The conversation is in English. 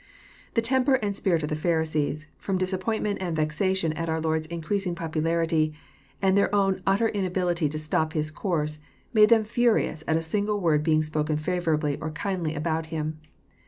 The temper and spirit of the Pharisees, from disap pointment and vexation at our Lord's increasing popularity, and their own utter inability to stop His course, made them ftirious at a single word being spoken favourably or kindly about Him.